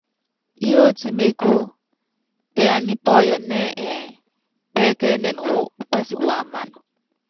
Yiɔtí mekú, tɛ ani pɔyɔnɛ́ɛ́ pɛ́kɛ́ɛ́nɛn wɔ upási wuáman.